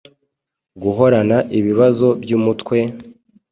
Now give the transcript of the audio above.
guhorana ibibazo by’umutwe,